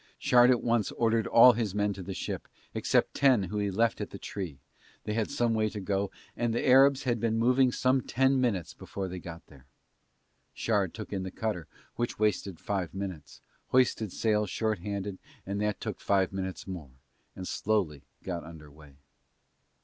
Shard at once ordered all his men to the ship except ten whom he left at the tree, they had some way to go and the Arabs had been moving some ten minutes before they got there. Shard took in the cutter which wasted five minutes, hoisted sail short handed and that took five minutes more, and slowly got under way.